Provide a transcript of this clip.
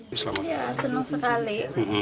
ya senang sekali